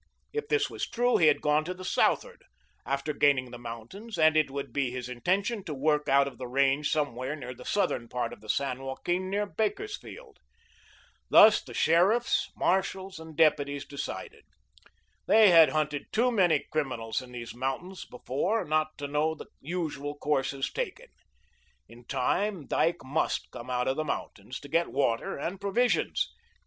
If this was true, he had gone to the southward, after gaining the mountains, and it would be his intention to work out of the range somewhere near the southern part of the San Joaquin, near Bakersfield. Thus, the sheriffs, marshals, and deputies decided. They had hunted too many criminals in these mountains before not to know the usual courses taken. In time, Dyke MUST come out of the mountains to get water and provisions.